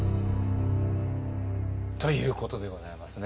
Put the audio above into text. ということでございますね。